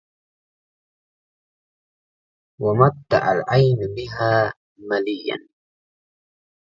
ومتِّع العين بها مَليَّا